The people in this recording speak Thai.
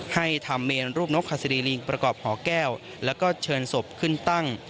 ให้ทำเมลนนกข้าศดีลิงค์ประกอบห่อแก้วแล้วก็เชิญศพขึ้นตั้ง